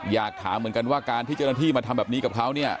อยากถามเหมือนกันว่าการที่เจ้าหน้าที่มาทำแบบนี้กับเขาเนี่ย